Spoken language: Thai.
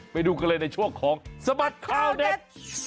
ไปดูกันเลยในช่วงของสบัดข่าวเด็ด